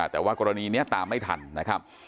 แต่ว่ากรณีนี้ตามไม่ทันนะครับ